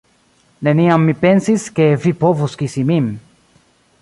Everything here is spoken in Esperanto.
Neniam mi pensis, ke vi povus kisi min.